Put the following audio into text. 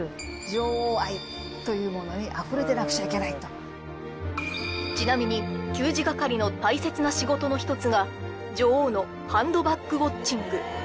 女王愛というものにあふれてなくちゃいけないとちなみに給仕係の大切な仕事の１つが女王のハンドバッグウォッチング